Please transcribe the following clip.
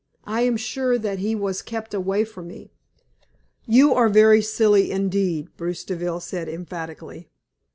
I am sure that he was kept away from me." "You are very silly indeed," Bruce Deville said, emphatically.